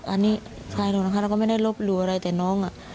อันนี้ใครหรอกนะคะเราก็ไม่ได้ลบหลู่อะไรแต่น้องอ่ะ